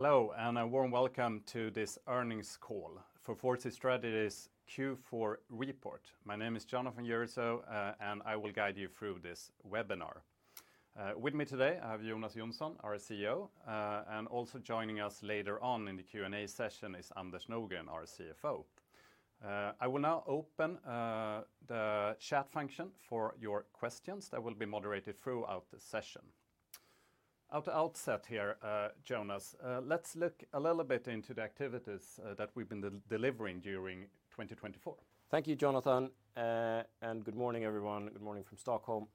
Hello, and a warm Welcome to this Earnings Call for 4C Strategies Q4 Report. My name is Jonatan Jürisoo, and I will guide you through this webinar. With me today, I have Jonas Jonsson, our CEO, and also joining us later on in the Q&A session is Anders Nordgren, our CFO. I will now open the chat function for your questions that will be moderated throughout the session. At the outset here, Jonas, let's look a little bit into the activities that we've been delivering during 2024. Thank you, Jonatan, and good morning, everyone. Good morning from Stockholm.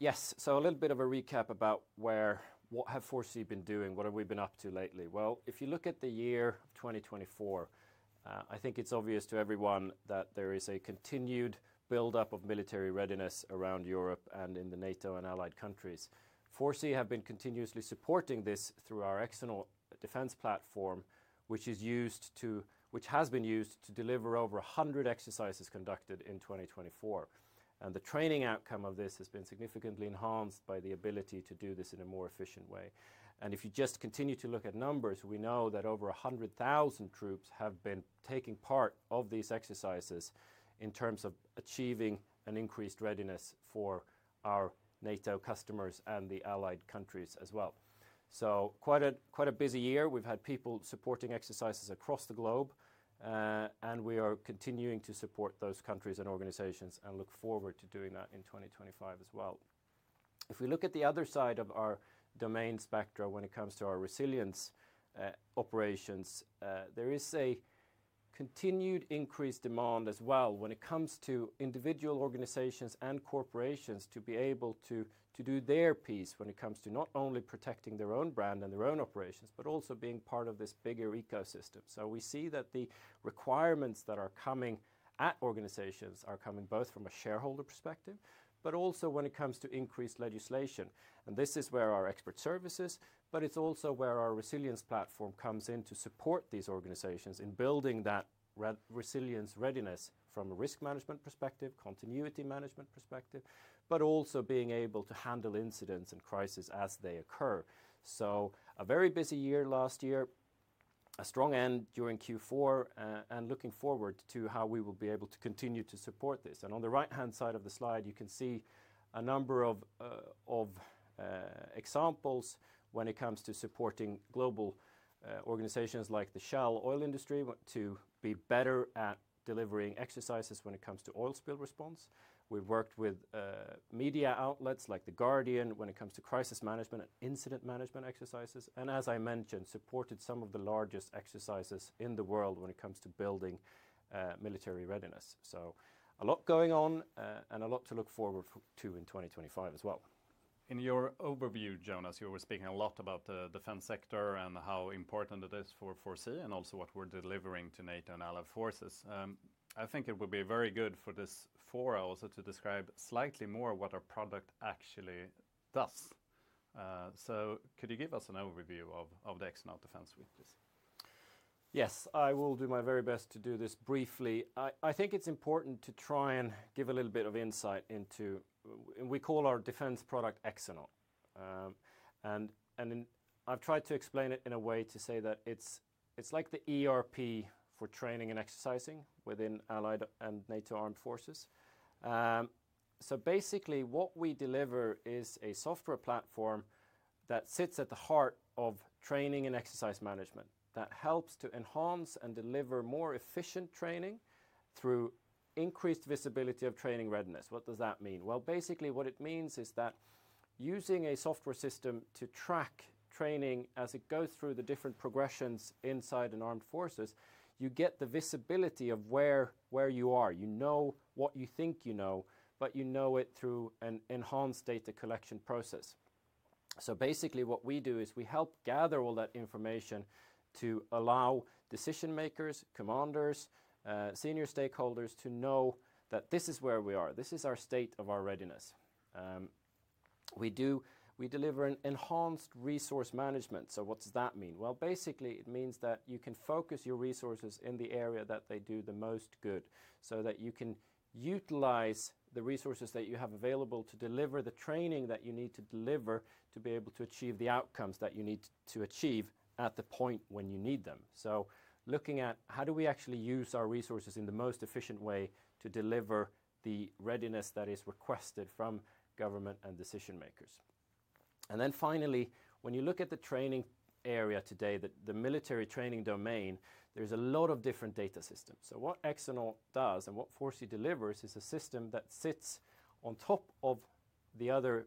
Yes, a little bit of a recap about what have 4C been doing, what have we been up to lately? If you look at the year 2024, I think it's obvious to everyone that there is a continued buildup of military readiness around Europe and in the NATO and allied countries. 4C have been continuously supporting this through our Exonaut Defense Platform, which has been used to deliver over 100 exercises conducted in 2024. The training outcome of this has been significantly enhanced by the ability to do this in a more efficient way. If you just continue to look at numbers, we know that over 100,000 troops have been taking part of these exercises in terms of achieving an increased readiness for our NATO customers and the allied countries as well. Quite a busy year. We've had people supporting exercises across the globe, and we are continuing to support those countries and organizations and look forward to doing that in 2025 as well. If we look at the other side of our domain spectra when it comes to our resilience operations, there is a continued increased demand as well when it comes to individual organizations and corporations to be able to do their piece when it comes to not only protecting their own brand and their own operations, but also being part of this bigger ecosystem. We see that the requirements that are coming at organizations are coming both from a shareholder perspective, but also when it comes to increased legislation. This is where our Expert Services, but it's also where our Resilience Platform comes in to support these organizations in building that resilience readiness from a risk management perspective, continuity management perspective, but also being able to handle incidents and crises as they occur. A very busy year last year, a strong end during Q4, and looking forward to how we will be able to continue to support this. On the right-hand side of the slide, you can see a number of examples when it comes to supporting global organizations like Shell oil industry to be better at delivering exercises when it comes to oil spill response. We've worked with media outlets like The Guardian when it comes to crisis management and incident management exercises, and as I mentioned, supported some of the largest exercises in the world when it comes to building military readiness. A lot going on and a lot to look forward to in 2025 as well. In your overview, Jonas, you were speaking a lot about the defense sector and how important it is for 4C and also what we're delivering to NATO and allied forces. I think it would be very good for this forum to describe slightly more what our product actually does. So could you give us an overview of the Exonaut Defense Suites? Yes, I will do my very best to do this briefly. I think it's important to try and give a little bit of insight into what we call our defense product, Exonaut. I have tried to explain it in a way to say that it's like the ERP for training and exercising within allied and NATO armed forces. Basically, what we deliver is a software platform that sits at the heart of training and exercise management that helps to enhance and deliver more efficient training through increased visibility of training readiness. What does that mean? Basically, what it means is that using a software system to track training as it goes through the different progressions inside an armed forces, you get the visibility of where you are. You know what you think you know, but you know it through an enhanced data collection process. Basically, what we do is we help gather all that information to allow decision makers, commanders, senior stakeholders to know that this is where we are. This is our state of our readiness. We deliver enhanced resource management. What does that mean? Basically, it means that you can focus your resources in the area that they do the most good so that you can utilize the resources that you have available to deliver the training that you need to deliver to be able to achieve the outcomes that you need to achieve at the point when you need them. Looking at how do we actually use our resources in the most efficient way to deliver the readiness that is requested from government and decision makers. Finally, when you look at the training area today, the military training domain, there's a lot of different data systems. What Exonaut does and what 4C delivers is a system that sits on top of the other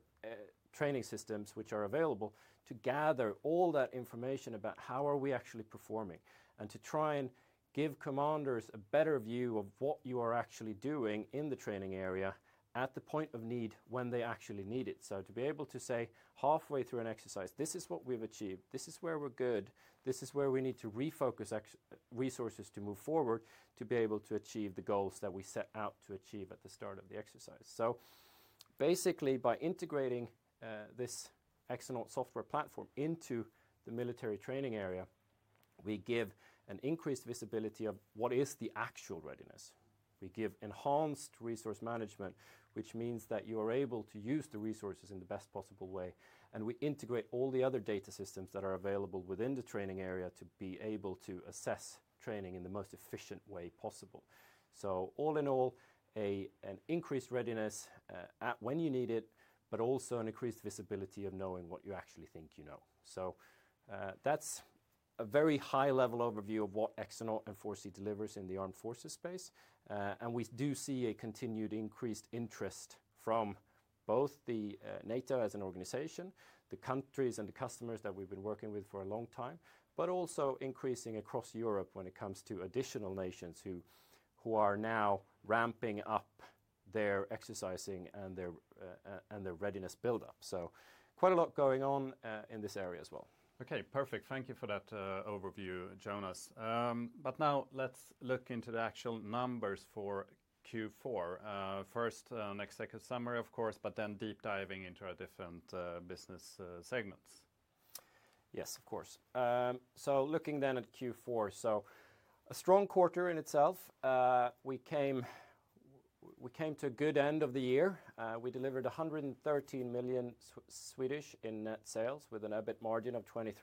training systems which are available to gather all that information about how are we actually performing and to try and give commanders a better view of what you are actually doing in the training area at the point of need when they actually need it. To be able to say halfway through an exercise, this is what we've achieved, this is where we're good, this is where we need to refocus resources to move forward to be able to achieve the goals that we set out to achieve at the start of the exercise. By integrating this Exonaut software platform into the military training area, we give an increased visibility of what is the actual readiness. We give enhanced resource management, which means that you are able to use the resources in the best possible way. We integrate all the other data systems that are available within the training area to be able to assess training in the most efficient way possible. All in all, an increased readiness when you need it, but also an increased visibility of knowing what you actually think you know. That is a very high-level overview of what Exonaut and 4C delivers in the armed forces space. We do see a continued increased interest from both NATO as an organization, the countries and the customers that we've been working with for a long time, but also increasing across Europe when it comes to additional nations who are now ramping up their exercising and their readiness buildup. Quite a lot going on in this area as well. Okay, perfect. Thank you for that overview, Jonas. Now let's look into the actual numbers for Q4. First, an executive summary, of course, then deep diving into our different business segments. Yes, of course. Looking then at Q4, a strong quarter in itself. We came to a good end of the year. We delivered 113 million in net sales with an EBIT margin of 23%.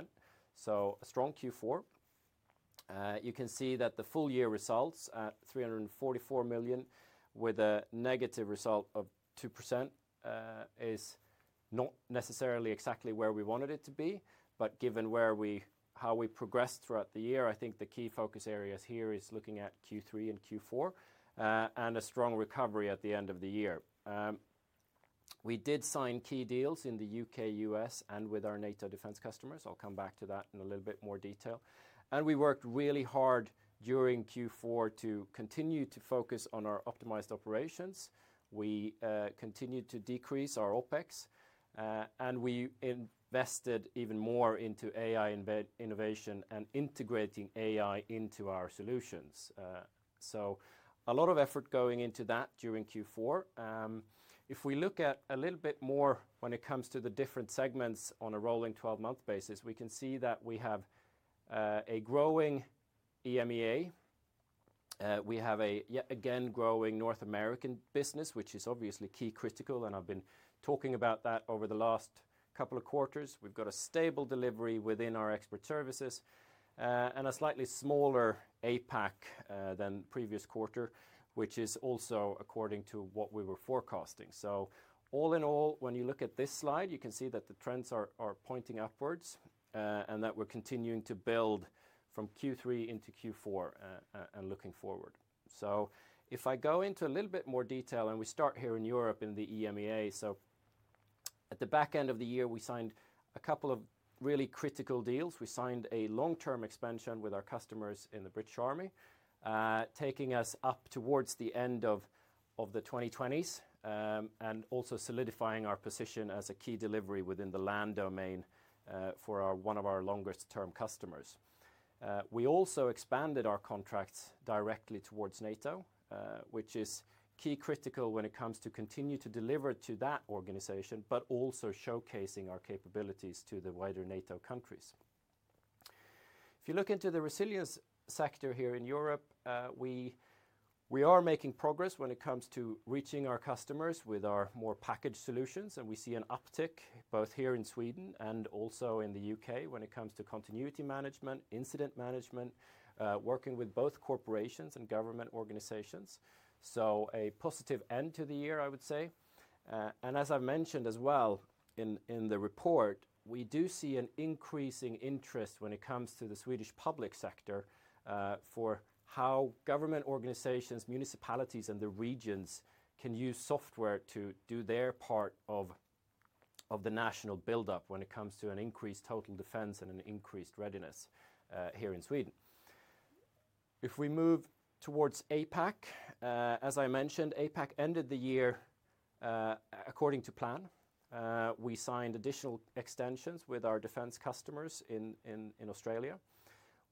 A strong Q4. You can see that the full year results, 344 million, with a negative result of 2%, is not necessarily exactly where we wanted it to be. Given how we progressed throughout the year, I think the key focus areas here is looking at Q3 and Q4 and a strong recovery at the end of the year. We did sign key deals in the U.K., U.S., and with our NATO defense customers. I will come back to that in a little bit more detail. We worked really hard during Q4 to continue to focus on our optimized operations. We continued to decrease our OPEX, and we invested even more into AI innovation and integrating AI into our solutions. A lot of effort going into that during Q4. If we look at a little bit more when it comes to the different segments on a rolling 12-month basis, we can see that we have a growing EMEA. We have a, again, growing North American business, which is obviously key critical, and I've been talking about that over the last couple of quarters. We've got a stable delivery within our Expert Services and a slightly smaller APAC than previous quarter, which is also according to what we were forecasting. All in all, when you look at this slide, you can see that the trends are pointing upwards and that we're continuing to build from Q3 into Q4 and looking forward. If I go into a little bit more detail and we start here in Europe in the EMEA. At the back end of the year, we signed a couple of really critical deals. We signed a long-term expansion with our customers in the British Army, taking us up towards the end of the 2020s and also solidifying our position as a key delivery within the land domain for one of our longest-term customers. We also expanded our contracts directly towards NATO, which is key critical when it comes to continuing to deliver to that organization, but also showcasing our capabilities to the wider NATO countries. If you look into the resilience sector here in Europe, we are making progress when it comes to reaching our customers with our more packaged solutions, and we see an uptick both here in Sweden and also in the U.K. when it comes to continuity management, incident management, working with both corporations and government organizations. A positive end to the year, I would say. As I've mentioned as well in the report, we do see an increasing interest when it comes to the Swedish public sector for how government organizations, municipalities, and the regions can use software to do their part of the national buildup when it comes to an increased Total Defense and an increased readiness here in Sweden. If we move towards APAC, as I mentioned, APAC ended the year according to plan. We signed additional extensions with our defense customers in Australia.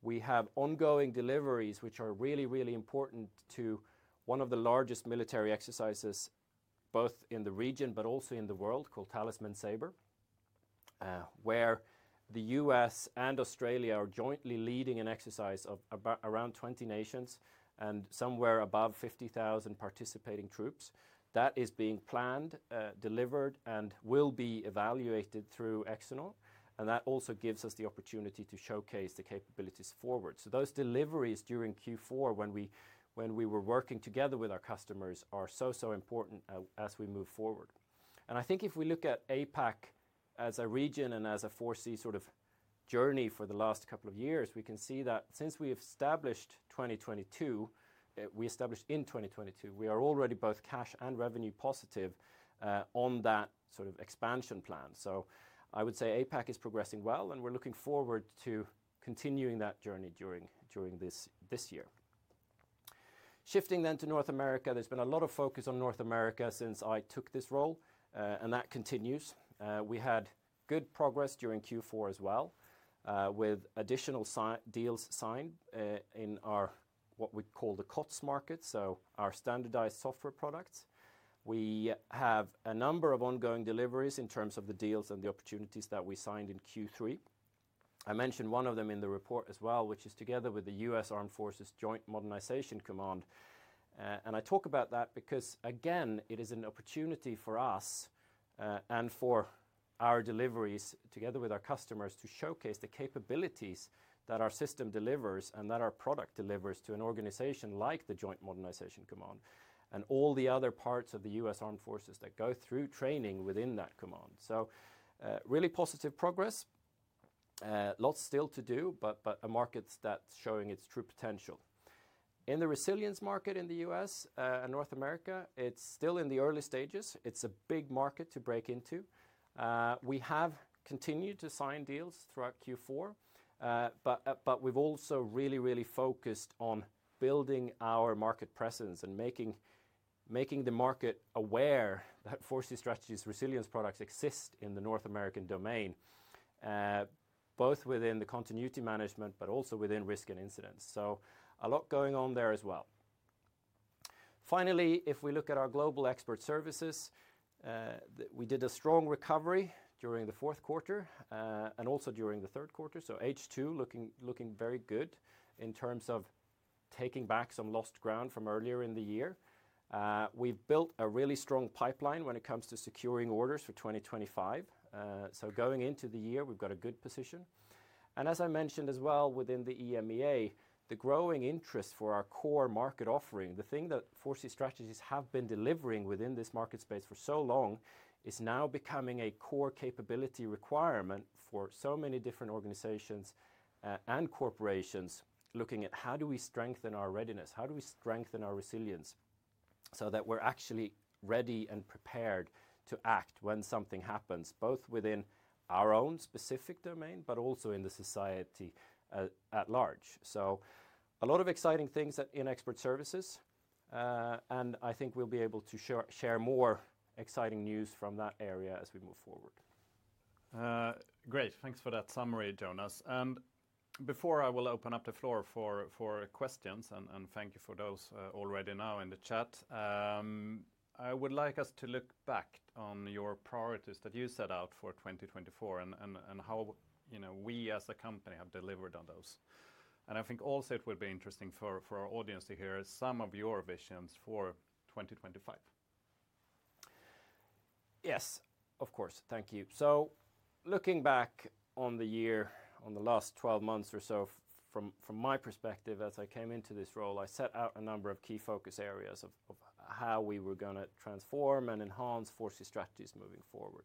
We have ongoing deliveries, which are really, really important to one of the largest military exercises both in the region, but also in the world called Talisman Sabre, where the U.S. and Australia are jointly leading an exercise of around 20 nations and somewhere above 50,000 participating troops. That is being planned, delivered, and will be evaluated through Exonaut. That also gives us the opportunity to showcase the capabilities forward. Those deliveries during Q4 when we were working together with our customers are so, so important as we move forward. I think if we look at APAC as a region and as a 4C sort of journey for the last couple of years, we can see that since we established in 2022, we are already both cash and revenue positive on that sort of expansion plan. I would say APAC is progressing well, and we're looking forward to continuing that journey during this year. Shifting then to North America, there's been a lot of focus on North America since I took this role, and that continues. We had good progress during Q4 as well with additional deals signed in our what we call the COTS market, so our standardized software products. We have a number of ongoing deliveries in terms of the deals and the opportunities that we signed in Q3. I mentioned one of them in the report as well, which is together with the U.S. Armed Forces Joint Modernization Command. I talk about that because, again, it is an opportunity for us and for our deliveries together with our customers to showcase the capabilities that our system delivers and that our product delivers to an organization like the Joint Modernization Command and all the other parts of the U.S. Armed Forces that go through training within that command. Really positive progress, lots still to do, but a market that's showing its true potential. In the resilience market in the U.S. and North America, it's still in the early stages. It's a big market to break into. We have continued to sign deals throughout Q4, but we've also really, really focused on building our market presence and making the market aware that 4C Strategies, resilience products exist in the North American domain, both within the continuity management, but also within risk and incidents. A lot going on there as well. Finally, if we look at our global Expert Services, we did a strong recovery during the Q4 and also during the Q3. H2 looking very good in terms of taking back some lost ground from earlier in the year. We've built a really strong pipeline when it comes to securing orders for 2025. Going into the year, we've got a good position. As I mentioned as well within the EMEA, the growing interest for our core market offering, the thing that 4C Strategies have been delivering within this market space for so long, is now becoming a core capability requirement for so many different organizations and corporations looking at how do we strengthen our readiness, how do we strengthen our resilience so that we're actually ready and prepared to act when something happens both within our own specific domain, but also in the society at large. A lot of exciting things in Expert Services, and I think we'll be able to share more exciting news from that area as we move forward. Great. Thanks for that summary, Jonas. Before I will open up the floor for questions, and thank you for those already now in the chat, I would like us to look back on your priorities that you set out for 2024 and how we as a company have delivered on those. I think also it would be interesting for our audience to hear some of your visions for 2025. Yes, of course. Thank you. Looking back on the year, on the last 12 months or so, from my perspective, as I came into this role, I set out a number of key focus areas of how we were going to transform and enhance 4C Strategies moving forward.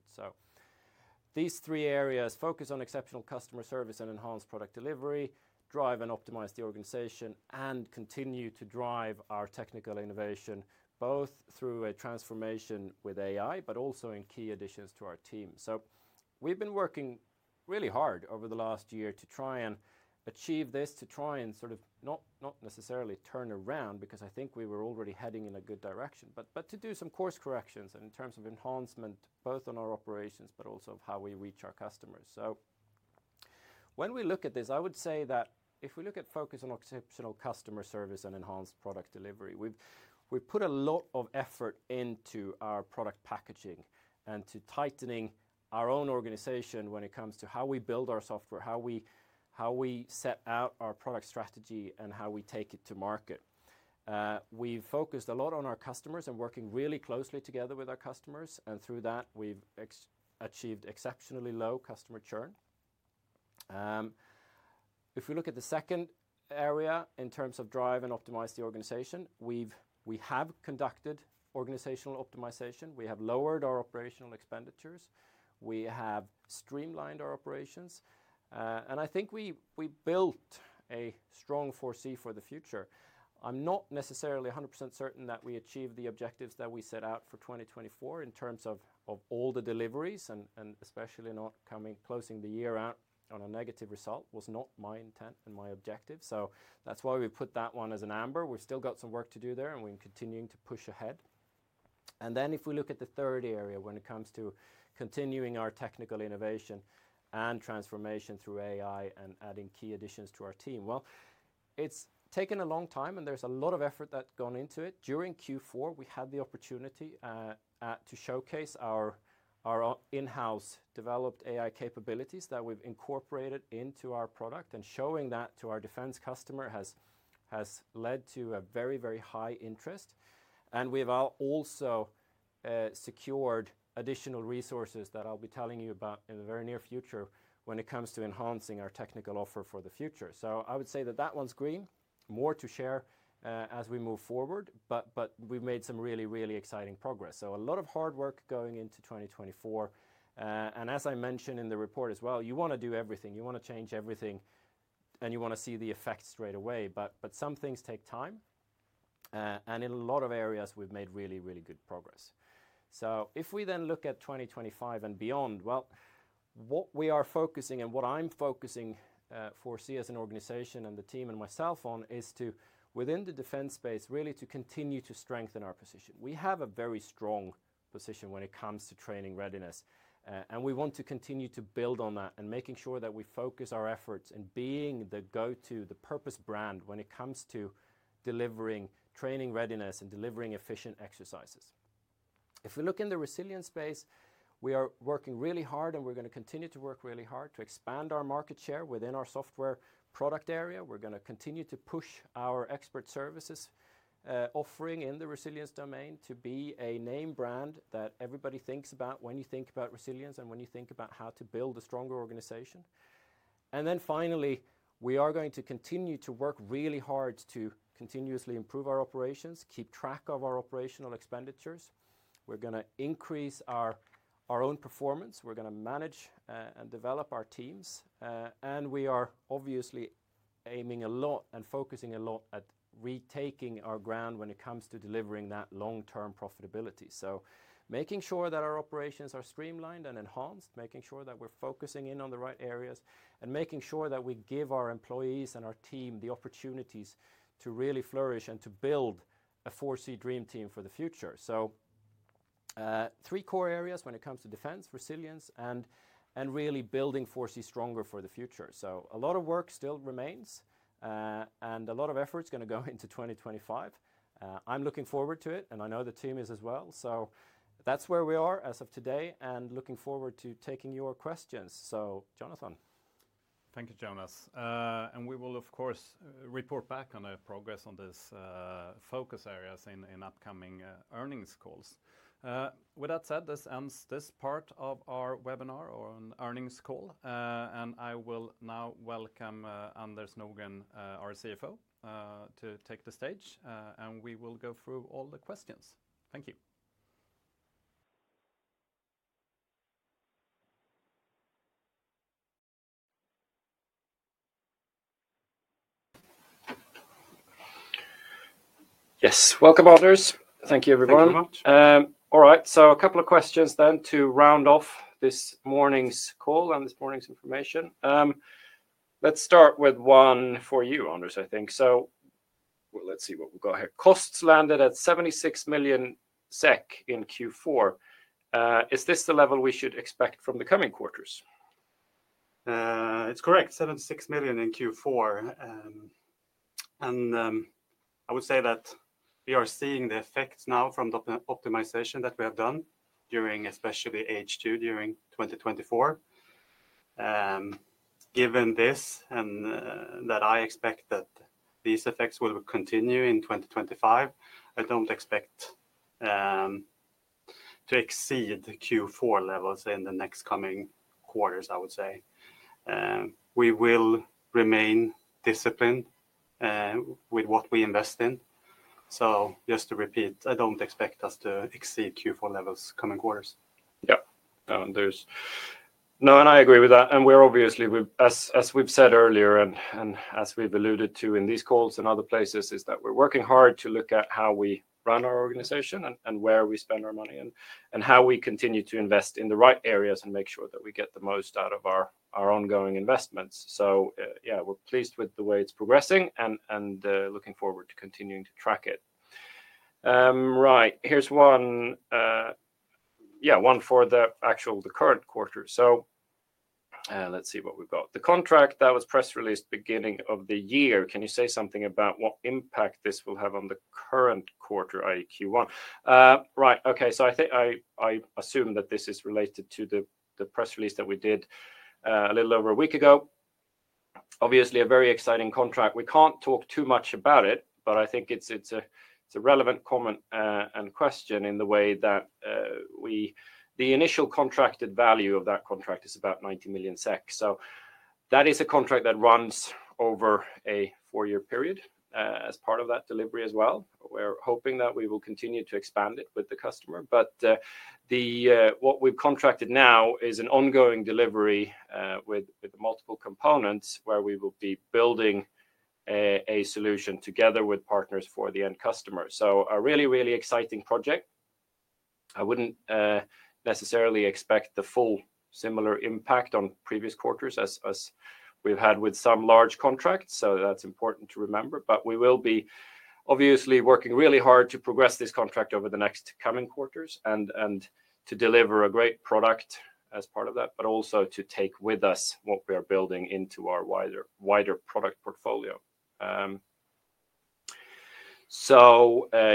These three areas focus on exceptional customer service and enhanced product delivery, drive and optimize the organization, and continue to drive our technical innovation both through a transformation with AI, but also in key additions to our team. We have been working really hard over the last year to try and achieve this, to try and sort of not necessarily turn around because I think we were already heading in a good direction, but to do some course corrections in terms of enhancement both on our operations, but also of how we reach our customers. When we look at this, I would say that if we look at focus on exceptional customer service and enhanced product delivery, we've put a lot of effort into our product packaging and to tightening our own organization when it comes to how we build our software, how we set out our product strategy, and how we take it to market. We've focused a lot on our customers and working really closely together with our customers. Through that, we've achieved exceptionally low customer churn. If we look at the second area in terms of drive and optimize the organization, we have conducted organizational optimization. We have lowered our operational expenditures. We have streamlined our operations. I think we built a strong 4C for the future. I'm not necessarily 100% certain that we achieved the objectives that we set out for 2024 in terms of all the deliveries, and especially not coming closing the year out on a negative result was not my intent and my objective. That's why we put that one as an amber. We've still got some work to do there, and we're continuing to push ahead. If we look at the third area when it comes to continuing our technical innovation and transformation through AI and adding key additions to our team, it's taken a long time, and there's a lot of effort that's gone into it. During Q4, we had the opportunity to showcase our in-house developed AI capabilities that we've incorporated into our product, and showing that to our defense customer has led to a very, very high interest. We have also secured additional resources that I'll be telling you about in the very near future when it comes to enhancing our technical offer for the future. I would say that that one's green, more to share as we move forward, but we've made some really, really exciting progress. A lot of hard work going into 2024. As I mentioned in the report as well, you want to do everything. You want to change everything, and you want to see the effect straight away. Some things take time. In a lot of areas, we've made really, really good progress. If we then look at 2025 and beyond, what we are focusing and what I'm focusing 4C as an organization and the team and myself on is to, within the defense space, really to continue to strengthen our position. We have a very strong position when it comes to training readiness, and we want to continue to build on that and making sure that we focus our efforts and being the go-to the purpose brand when it comes to delivering training readiness and delivering efficient exercises. If we look in the resilience space, we are working really hard, and we're going to continue to work really hard to expand our market share within our software product area. We're going to continue to push our expert services offering in the resilience domain to be a name brand that everybody thinks about when you think about resilience and when you think about how to build a stronger organization. Finally, we are going to continue to work really hard to continuously improve our operations, keep track of our operational expenditures. We're going to increase our own performance. We're going to manage and develop our teams. We are obviously aiming a lot and focusing a lot at retaking our ground when it comes to delivering that long-term profitability. Making sure that our operations are streamlined and enhanced, making sure that we're focusing in on the right areas, and making sure that we give our employees and our team the opportunities to really flourish and to build a 4C dream team for the future. Three core areas when it comes to defense, resilience, and really building 4C stronger for the future. A lot of work still remains, and a lot of effort is going to go into 2025. I'm looking forward to it, and I know the team is as well. That's where we are as of today, and looking forward to taking your questions. Jonathan. Thank you, Jonas. We will, of course, report back on the progress on these focus areas in upcoming earnings calls. With that said, this ends this part of our webinar or an earnings call. I will now welcome Anders Nordgren, our CFO, to take the stage, and we will go through all the questions. Thank you. Yes. Welcome, Anders. Thank you, everyone. All right. A couple of questions then to round off this morning's call and this morning's information. Let's start with one for you, Anders, I think. Let's see what we've got here. Costs landed at 76 million SEK in Q4. Is this the level we should expect from the coming quarters? It's correct, 76 million in Q4. I would say that we are seeing the effects now from the optimization that we have done during, especially H2 during 2024. Given this and that I expect that these effects will continue in 2025, I don't expect to exceed Q4 levels in the next coming quarters, I would say. We will remain disciplined with what we invest in. Just to repeat, I don't expect us to exceed Q4 levels coming quarters. Yeah. No, I agree with that. We're obviously, as we've said earlier and as we've alluded to in these calls and other places, working hard to look at how we run our organization and where we spend our money and how we continue to invest in the right areas and make sure that we get the most out of our ongoing investments. Yeah, we're pleased with the way it's progressing and looking forward to continuing to track it. Right. Here's one, yeah, one for the actual current quarter. Let's see what we've got. The contract that was press released beginning of the year. Can you say something about what impact this will have on the current quarter, i.e., Q1? Right. Okay. I assume that this is related to the press release that we did a little over a week ago. Obviously, a very exciting contract. We can't talk too much about it, but I think it's a relevant comment and question in the way that the initial contracted value of that contract is about 90 million SEK. That is a contract that runs over a four-year period as part of that delivery as well. We're hoping that we will continue to expand it with the customer. What we've contracted now is an ongoing delivery with multiple components where we will be building a solution together with partners for the end customer. A really, really exciting project. I wouldn't necessarily expect the full similar impact on previous quarters as we've had with some large contracts. That's important to remember. We will be obviously working really hard to progress this contract over the next coming quarters and to deliver a great product as part of that, but also to take with us what we are building into our wider product portfolio.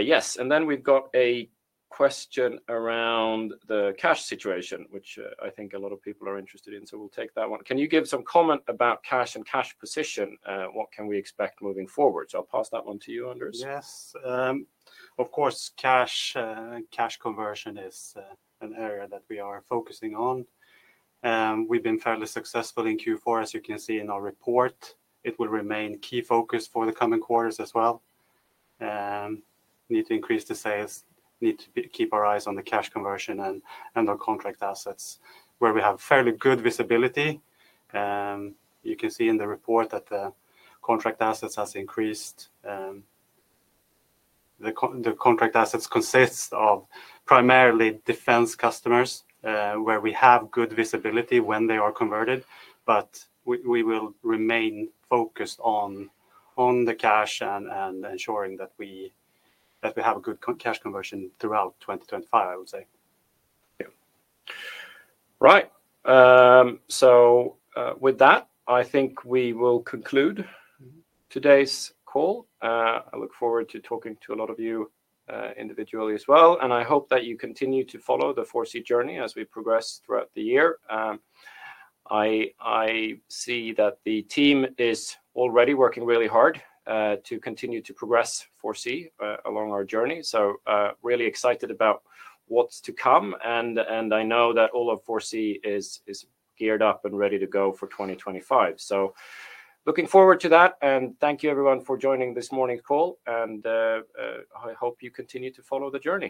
Yes. We have a question around the cash situation, which I think a lot of people are interested in. We will take that one. Can you give some comment about cash and cash position? What can we expect moving forward? I will pass that one to you, Anders. Yes. Of course, cash conversion is an area that we are focusing on. We've been fairly successful in Q4, as you can see in our report. It will remain key focus for the coming quarters as well. Need to increase the sales, need to keep our eyes on the cash conversion and our contract assets where we have fairly good visibility. You can see in the report that the contract assets have increased. The contract assets consist of primarily defense customers where we have good visibility when they are converted, but we will remain focused on the cash and ensuring that we have a good cash conversion throughout 2025, I would say. Yeah. Right. With that, I think we will conclude today's call. I look forward to talking to a lot of you individually as well. I hope that you continue to follow the 4C journey as we progress throughout the year. I see that the team is already working really hard to continue to progress 4C along our journey. Really excited about what's to come. I know that all of 4C is geared up and ready to go for 2025. Looking forward to that. Thank you, everyone, for joining this morning's call. I hope you continue to follow the journey.